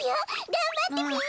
がんばってぴよ！